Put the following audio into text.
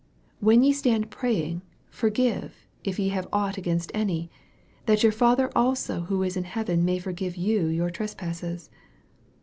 " When ye stand praying, forgive, if ye have ought against any, that your Father also which is in heaven may forgive you your trespasses."